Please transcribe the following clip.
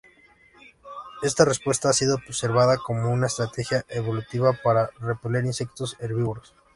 Esta respuesta ha sido observada como una estrategia evolutiva para repeler insectos herbívoros.